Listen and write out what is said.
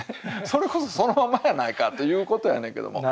それこそそのままやないか！ということやねんけども。